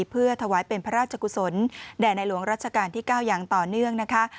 เพื่อถวายเป็นพระราชกุศลแด่ในหลวงรัชกาลที่๙อย่างต่อเนื่องนะคะ